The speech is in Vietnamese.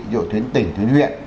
ví dụ tuyến tỉnh tuyến huyện